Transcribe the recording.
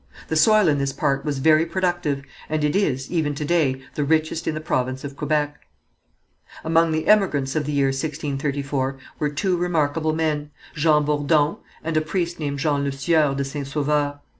The soil in this part was very productive, and it is, even to day, the richest in the province of Quebec. Among the emigrants of the year 1634 were two remarkable men, Jean Bourdon, and a priest named Jean LeSueur de St. Sauveur.